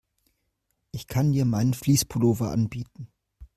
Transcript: Ich kann dir meinen Fleece-Pullover anbieten.